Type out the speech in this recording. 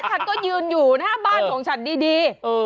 ฉันก็ยืนอยู่หน้าบ้านของฉันดี